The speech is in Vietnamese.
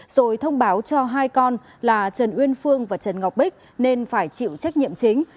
rồi thông báo cho hai con là trần uyên phương và trần ngọc bích nên phải chịu trách nhiệm chính